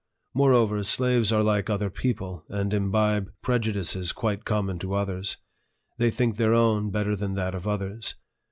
Moreover, slaves are like other people, and imbibe prejudices quite common to others. They think their own better than that of others.